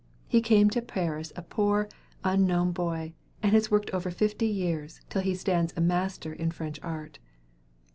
He came to Paris a poor, unknown boy, and has worked over fifty years, till he stands a master in French art.